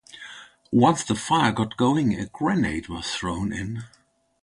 Once the fire got going, a grenade was thrown in.